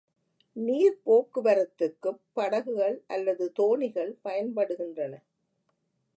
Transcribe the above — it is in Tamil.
நீர்ப் போக்கு வரத்துக்குப் படகுகள் அல்லது தோணிகள் பயன்படுகின்றன.